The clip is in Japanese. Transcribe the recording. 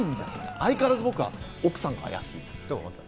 相変わらず僕は奥さんがあやしいと思う。